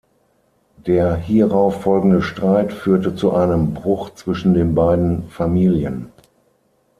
Der hierauf folgende Streit führte zu einem Bruch zwischen den beiden Familien.